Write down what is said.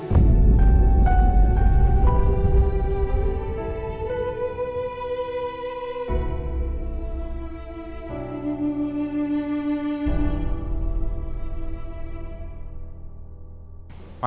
dan dia selalu bisa kempal